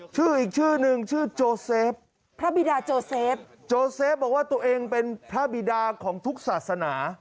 ชื่ออีกชื่อนึงชื่อโจเซฟพระบิดาโจเซฟโจเซฟบอกว่าตัวเองเป็นพระบิดาของทุกศาสนา